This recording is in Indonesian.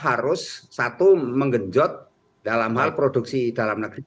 harus satu menggenjot dalam hal produksi dalam negeri